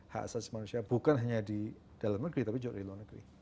hak asasi manusia bukan hanya di dalam negeri tapi juga di luar negeri